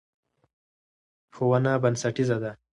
ښوونه بنسټیزه ده.